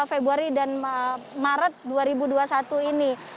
februari dan maret dua ribu dua puluh satu ini